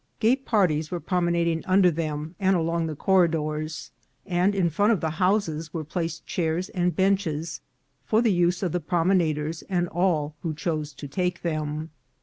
Gay parties were promenading under them, and along the corridors and in front of the houses were placed chairs and benches for the use of the prom enaders, and all who chose to take them.